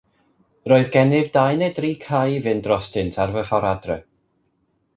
Yr oedd gennyf ddu neu dri cae i fyned drostynt ar fy ffordd adref.